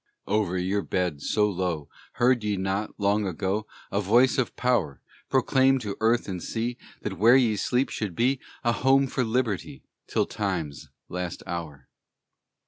Over your bed, so low, Heard ye not, long ago, A voice of power Proclaim to earth and sea, That where ye sleep should be A home for Liberty Till Time's last hour?